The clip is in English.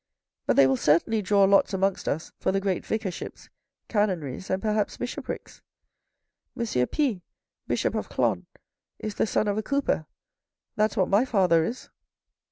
" But they will certainly draw lots amongst us for the great vicarships, canonries and perhaps bishoprics. M. P Bishop of Chlons, is the son of a cooper. That's what my father is."